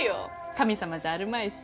神様じゃあるまいし。